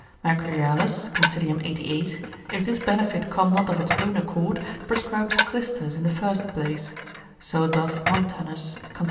Mercurialis, consil. 88. if this benefit come not of its own accord, prescribes clysters in the first place: so doth Montanus, consil.